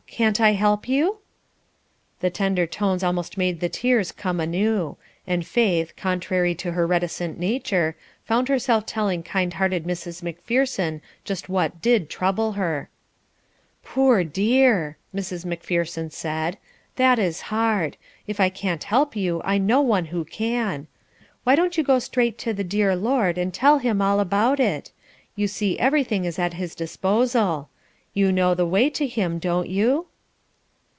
Can't I help you?" The tender tones almost made the tears come anew; and Faith, contrary to her reticent nature, found herself telling kind hearted Mrs. Macpherson just what did trouble her. "Poor dear!" Mrs. Macpherson said, "that is hard; if I can't help you, I know one who can. Why don't you go straight to the dear Lord and tell him all about it? You see everything is at his disposal. You know the way to him, don't you?"